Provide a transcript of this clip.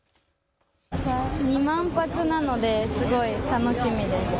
２万発なのですごい楽しみです。